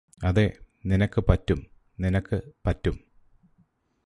അതെ നിനക്ക് പറ്റും നിനക്ക് പറ്റും